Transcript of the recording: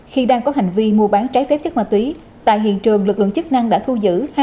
khi đang có hành vi mua bán trái phép chất ma túy tại hiện trường lực lượng chức năng đã thu giữ